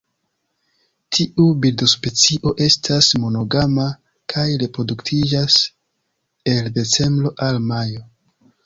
Tiu birdospecio estas monogama, kaj reproduktiĝas el decembro al majo.